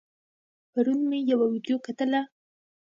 پرون مې يوه ويډيو کتله